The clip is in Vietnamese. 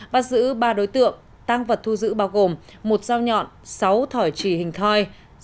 bắt giữ ba đối tượng tăng vật thu giữ bao gồm một dao nhọn sáu thỏi trì hình thoi